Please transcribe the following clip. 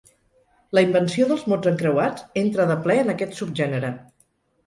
La invenció dels mots encreuats entra de ple en aquest subgènere.